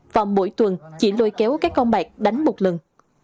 và mỗi tuần chỉ lôi kéo các con bạc đánh một lần